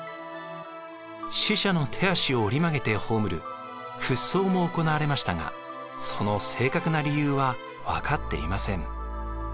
死者の手足を折り曲げて葬る屈葬も行われましたがその正確な理由は分かっていません。